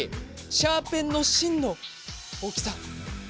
シャーペンの芯の大きさ。